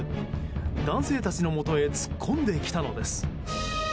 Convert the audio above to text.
男性たちのもとへ突っ込んできたのです。